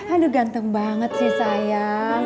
aduh ganteng banget sih sayang